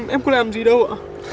em có làm gì đâu ạ